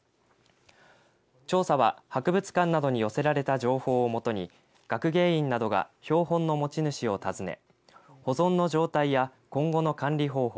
調査は博物館などに寄せられた情報をもとに学芸員などが標本の持ち主を訪ね保存の状態や今後の管理方法